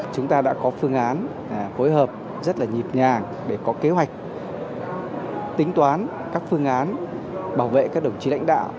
chúng ta đã có phương án phối hợp rất là nhịp nhàng để có kế hoạch tính toán các phương án bảo vệ các đồng chí lãnh đạo